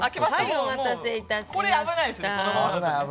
お待たせいたしました。